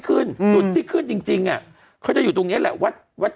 จุดที่ขึ้นจริงจริงอ่ะเขาจะอยู่ตรงเนี้ยแหละวัดวัด